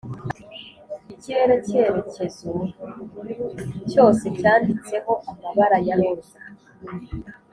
ikirere cyerekezo cyose cyanditseho amabara ya roza,